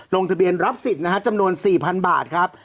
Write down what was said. ลงทะเบียนรับสิทธิ์นะฮะจำนวน๔๐๐๐บาทครับ